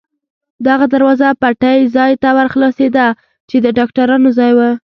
دغه دروازه پټۍ ځای ته ور خلاصېده، چې د ډاکټرانو ځای و.